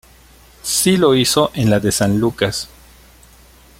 Sí lo hizo en la de San Lucas.